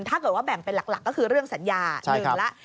ถ้าเกิดว่าแบ่งเป็นหลักก็คือเรื่องสัญญา๑แล้ว